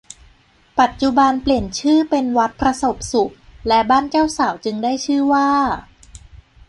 ปัจจุบันเปลี่ยนชื่อเป็นวัดประสบสุขและบ้านเจ้าสาวจึงได้ชื่อว่า